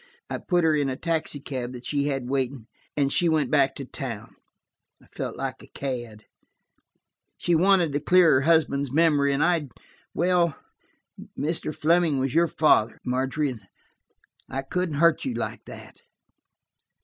I put her in a taxicab that she had waiting, and she went back to town. I felt like a cad; she wanted to clear her husband's memory, and I–well, Mr. Fleming was your father, Margery, I couldn't hurt you like that."